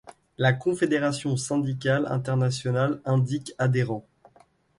La Confédération syndicale internationale indique adhérents.